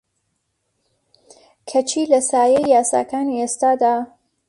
کەچی لە سایەی یاساکانی ئێستەدا